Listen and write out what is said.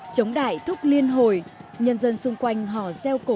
trống đại thúc liên hồi nhân dân xung quanh họ gieo cầu